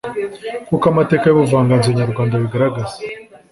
nk'uko amateka y'ubuvanganzo nyarwanda abigaragaza